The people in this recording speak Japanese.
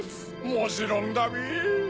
もちろんだべ！